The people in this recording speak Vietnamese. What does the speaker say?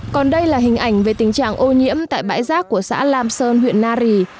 còn đây là hình ảnh về tình trạng ô nhiễm tại bãi rác của xã lam sơn huyện nari